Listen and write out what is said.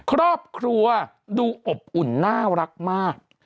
ครอบครัวดูอบอุ่นน่ารักมาก